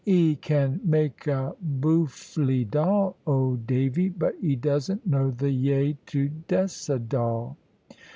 "'E can make a boofely doll, old Davy; but 'e doesn't know the yay to dess a doll."